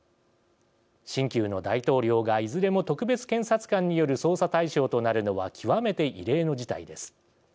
新旧の大統領がいずれも特別検察官による捜査対象となるのは極めて異例の事態です。